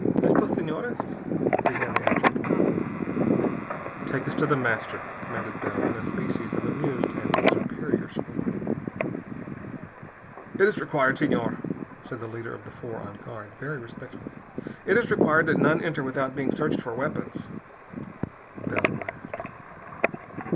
"Estos Señores " began the abject one. "Take us to The Master," commanded Bell in a species of amused and superior scorn. "It is required, Senor," said the leader of the four on guard, very respectfully, "it is required that none enter without being searched for weapons." Bell laughed.